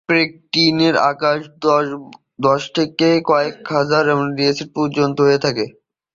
প্রোটিনের আকার দশ থেকে কয়েক হাজার অ্যামিনো এসিড পর্যন্ত হয়ে থাকে।